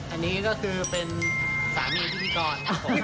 อันนี้ก็คือเป็นสามีพี่พี่กร